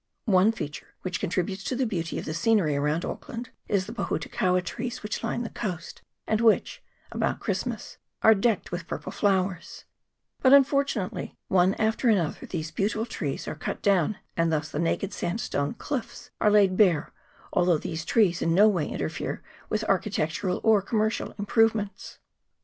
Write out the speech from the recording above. One feature which contributes to the beauty of the scenery around Auckland is the pohutukaua trees which line the coast, and which, about Christ mas, are decked with purple flowers ; but, unfortu nately, one after another these beautiful trees are cut down, and thus the naked sandstone cliffs are laid bare, although these trees in no way interfere with architectural or commercial improvements.